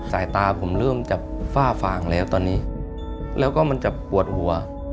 สายตาผมเริ่มจะฝ้าฟางแล้วตอนนี้แล้วก็มันจะปวดหัว